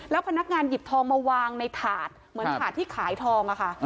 พนักงานหยิบทองมาวางในถาดเหมือนถาดที่ขายทองอะค่ะ